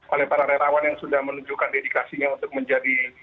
oleh para relawan yang sudah menunjukkan dedikasinya untuk menjadi